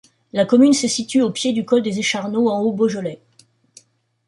La commune se situe au pied du col des Écharmeaux en Haut-Beaujolais.